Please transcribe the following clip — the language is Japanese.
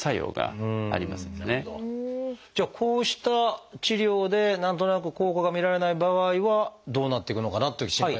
じゃあこうした治療で何となく効果が見られない場合はどうなっていくのかなっていう心配がありますが。